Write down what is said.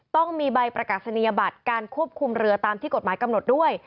ต้องมีใบประกาศนียบัตรการควบคุมเรือตามที่กฎหมายกำหนดด้วย